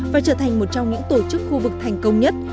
và trở thành một trong những tổ chức khu vực thành công nhất